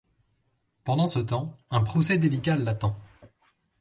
Pendant ce temps, un procès délicat l'attend.